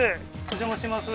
お邪魔します